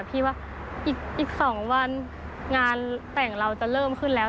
พี่ว่าอีก๒วันงานแต่งเราจะเริ่มขึ้นแล้ว